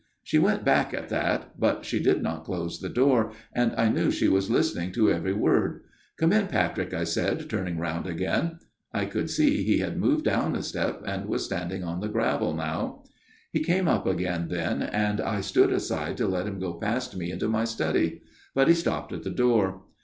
" She went back at that ; but she did not close the door, and I knew she was listening to every word. ' Come in, Patrick,' I said, turning round again. " I could see he had moved down a step, and was standing on the gravel now. FATHER MARTIN'S TALE 179 " He came up again then, and I stood aside to let him go past me into my study. But he stopped at the door.